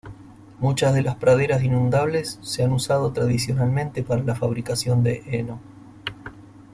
Muchas de las praderas inundables se han usado tradicionalmente para la fabricación de heno.